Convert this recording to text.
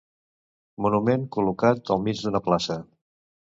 Monument col·locat al mig d'una plaça.